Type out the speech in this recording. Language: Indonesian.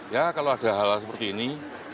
ya kalau ada hal hal seperti ini